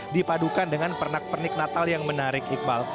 dipadukan dengan pernak pernik natal yang menarik iqbal